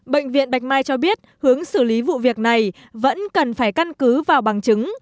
bệnh viện bạch mai cho biết hướng xử lý vụ việc này vẫn cần phải căn cứ vào bằng chứng